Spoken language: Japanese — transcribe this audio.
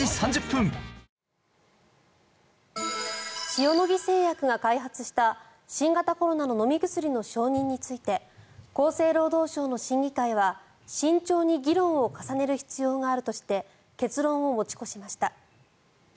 塩野義製薬が開発した新型コロナの飲み薬の承認について厚生労働省の審議会は慎重に議論を重ねる必要があるとして結論を持ち越しました。